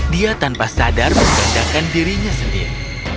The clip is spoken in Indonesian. dia tanpa sadar membedakan dirinya sendiri